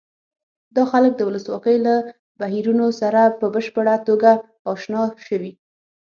دا خلک د ولسواکۍ له بهیرونو سره په بشپړه توګه اشنا شوي.